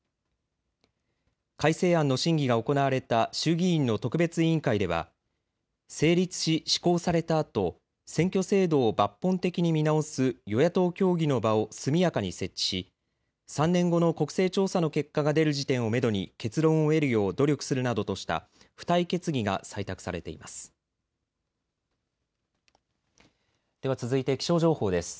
改正案の審議が行われた衆議院の特別委員会では成立し施行されたあと選挙制度を抜本的に見直す与野党協議の場を速やかに設置し３年後の国勢調査の結果が出る時点をめどに結論を得るよう努力するなどとした付帯決議が採択されています。